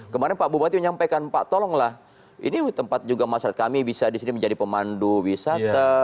kemarin pak bupati menyampaikan pak tolonglah ini tempat juga masyarakat kami bisa di sini menjadi pemandu wisata